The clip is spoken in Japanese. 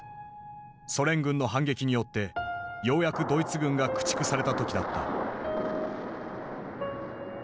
ソ連軍の反撃によってようやくドイツ軍が駆逐された時だった。